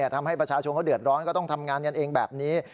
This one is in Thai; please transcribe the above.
ทำให้ประชาชนเขาเดือดร้อนก็ต้องทำงานกันเองแบบนี้